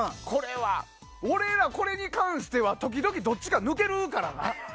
俺ら、これに関しては時々、どっちか抜けるからな。